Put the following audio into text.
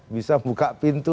bisa buka pintu